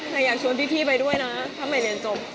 แต่อยากชวนพี่ไปด้วยนะทำไมเรียนจบ